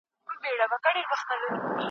ولي هغه بيولوژيکي دلايل و نه منل؟